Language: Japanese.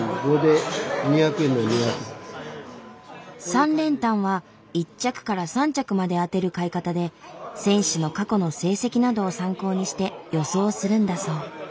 ３連単は１着から３着まで当てる買い方で選手の過去の成績などを参考にして予想するんだそう。